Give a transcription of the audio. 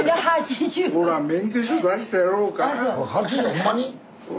ほんまに？